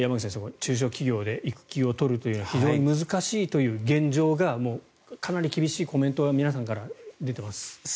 中小企業で育休を取るのは非常に難しいという現状がかなり厳しいコメントが皆さんから出ています。